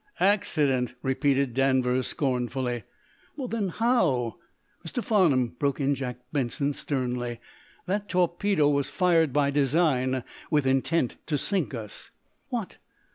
"Accident!" repeated Danvers, scornfully. "Well, then, how " "Mr. Farnum," broke in Jack Benson, sternly, "that torpedo was fired by design, with intent to sink us!" "What?